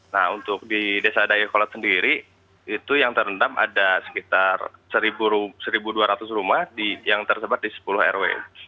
nah untuk di desa dayakolot sendiri itu yang terendam ada sekitar satu dua ratus rumah yang tersebar di sepuluh rw